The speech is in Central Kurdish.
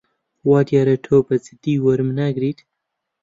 وا دیارە تۆ بە جددی وەرم ناگریت.